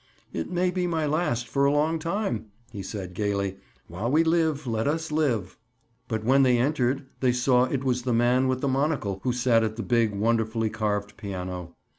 "It may be my last, for a long time," he said gaily. "While we live, let us live." But when they entered they saw it was the man with the monocle who sat at the big, wonderfully carved piano.